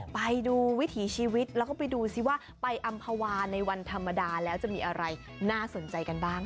ไปดูวิถีชีวิตแล้วก็ไปดูซิว่าไปอำภาวาในวันธรรมดาแล้วจะมีอะไรน่าสนใจกันบ้าง